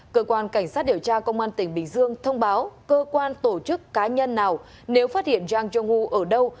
cơ quan cảnh sát điều tra công an tỉnh bình dương thông báo cơ quan tổ chức cá nhân nào nếu phát hiện zhang zhonggu ở đâu